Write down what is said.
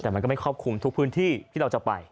แต่มันก็ไม่ครอบคลุมทุกพื้นที่ที่เราจะไป